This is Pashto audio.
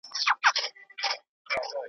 چې په حبيبي صيب ډېر بد ولګېد